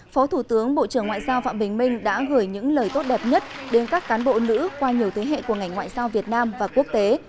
phó thủ tướng bộ trưởng ngoại giao phạm bình minh đã gửi những lời tốt đẹp nhất đến các cán bộ nữ qua nhiều thế hệ của ngành ngoại giao việt nam và quốc tế